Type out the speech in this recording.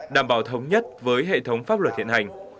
đảm bảo thống nhất với hệ thống pháp luật hiện hành